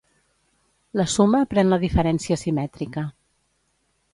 La suma pren la diferència simètrica.